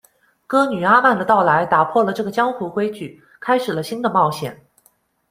歌女阿曼的到来打破了这个江湖规矩，开始了新的冒险。